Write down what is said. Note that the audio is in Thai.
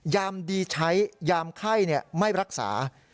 ยามดีใช้ยามไข้ไม่รักษา